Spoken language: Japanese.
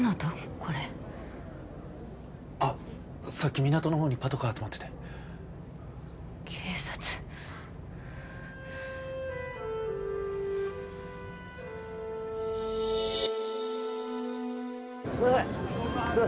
これあっさっき港のほうにパトカー集まってて警察すいません